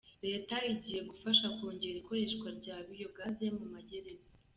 Leta igiye gufasha kongera ikoreshwa rya Biyogaze mu magereza